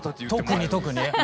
特に特にね。